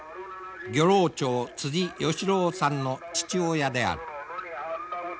漁労長義郎さんの父親である。